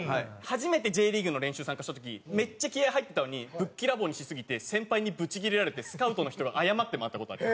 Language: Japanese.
初めてＪリーグの練習参加した時めっちゃ気合入ってたのにぶっきらぼうにしすぎて先輩にブチギレられてスカウトの人が謝って回った事ある。